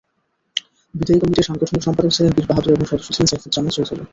বিদায়ী কমিটির সাংগঠনিক সম্পাদক ছিলেন বীর বাহাদুর এবং সদস্য ছিলেন সাইফুজ্জামান চৌধুরী।